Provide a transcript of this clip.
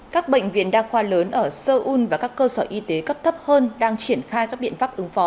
các bệnh viện đa khoa lớn ở seoul và các cơ sở y tế cấp thấp hơn đang triển khai các biện pháp ứng phó